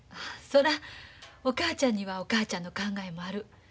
そらお母ちゃんにはお母ちゃんの考えもある。